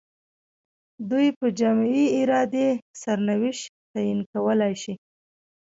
دوی په جمعي ارادې سرنوشت تعیین کولای شي.